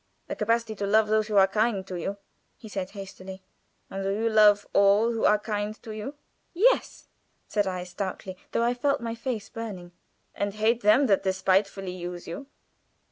"A capacity to love those who are kind to you," he said, hastily. "And do you love all who are kind to you?" "Yes," said I, stoutly, though I felt my face burning. "And hate them that despitefully use you?"